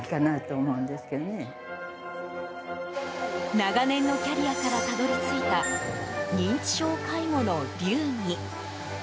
長年のキャリアからたどり着いた認知症介護の流儀。